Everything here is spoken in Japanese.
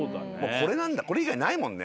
これ以外ないもんね。